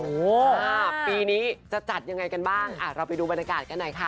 ปีนี้จะจัดยังไงกันบ้างอ่ะเราไปดูบรรยากาศกันหน่อยค่ะ